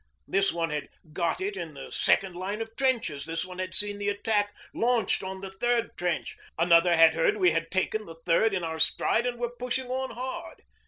This one had 'got it' in the second line of trenches; that one had seen the attack launched on the third trench; another had heard we had taken the third in our stride and were pushing on hard.